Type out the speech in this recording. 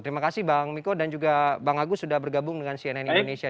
terima kasih bang miko dan juga bang agus sudah bergabung dengan cnn indonesia